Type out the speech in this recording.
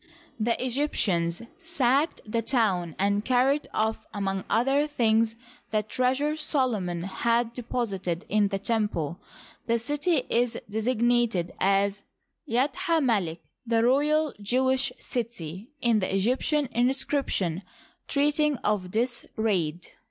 The Egyptians sacked the town and carried off, among other things, the treasure Solomon had deposited in the temple. The city is designated as Yudha Melek, " the royal Jewish city," ♦ in the Egyptian inscription treating of this raid.